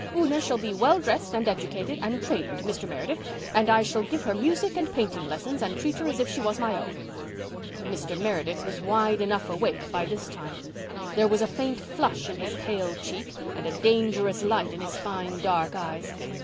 Una shall be well dressed and educated and trained, Mr. Meredith, and I shall give her music and painting lessons and treat her as if she was my own." Mr. Meredith was wide enough awake by this time. There was a faint flush in his pale cheek and a dangerous light in his fine dark eyes.